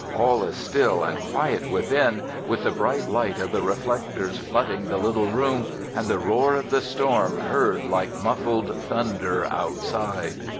All is still and quiet within, with the bright light of the reflectors flooding the little room, and the roar of the storm heard like muffled thunder outside.